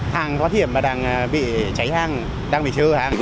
thang thoát hiểm mà đang bị cháy hàng đang bị chơ hàng